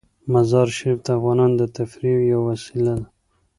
مزارشریف د افغانانو د تفریح یوه وسیله ده.